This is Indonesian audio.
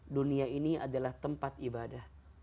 dunia ini adalah tempat ibadah